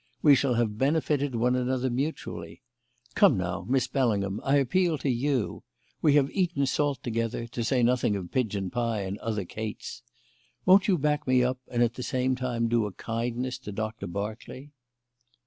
We shall have benefited one another mutually. Come now, Miss Bellingham, I appeal to you. We have eaten salt together, to say nothing of pigeon pie and other cates. Won't you back me up, and at the same time do a kindness to Doctor Berkeley?"